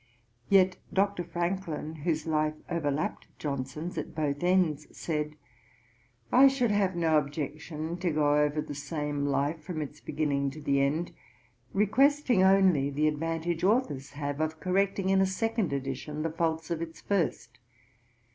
Ante, ii. 125. Yet Dr. Franklin, whose life overlapped Johnson's at both ends, said: 'I should have no objection to go over the same life from its beginning to the end, requesting only the advantage authors have of correcting in a second edition the faults of its first.